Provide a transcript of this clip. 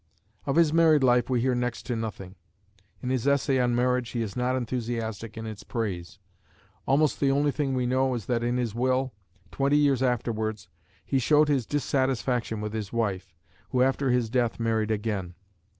Of his married life we hear next to nothing: in his Essay on Marriage he is not enthusiastic in its praise; almost the only thing we know is that in his will, twenty years afterwards, he showed his dissatisfaction with his wife, who after his death married again.